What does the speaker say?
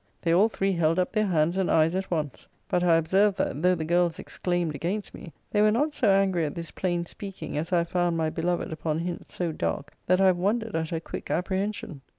They all three held up their hands and eyes at once. But I observed that, though the girls exclaimed against me, they were not so angry at this plain speaking as I have found my beloved upon hints so dark that I have wondered at her quick apprehension.